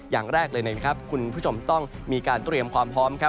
อย่างแรกเลยนะครับคุณผู้ชมต้องมีการเตรียมความพร้อม